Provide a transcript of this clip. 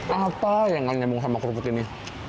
apa yang nganyamung sama kerupuk ini